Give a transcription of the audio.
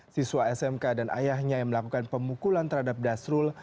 siswa smk dan ayahnya yang melakukan pemukulan terhadap dasrul